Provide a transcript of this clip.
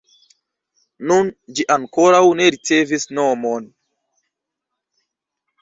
Nun, ĝi ankoraŭ ne ricevis nomon.